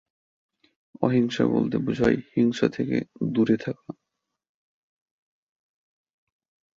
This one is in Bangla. অহিংসা বলতে বোঝায় হিংসা থেকে দূরে থাকা।